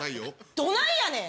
どないやねん